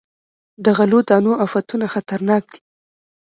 د غلو دانو افتونه خطرناک دي.